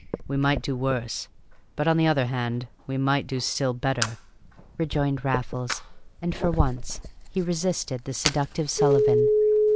"We might do worse; but, on the other hand, we might do still better," rejoined Raffles, and for once he resisted the seductive Sullivan.